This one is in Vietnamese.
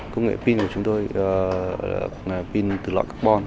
công nghệ pin của chúng tôi là pin từ loại carbon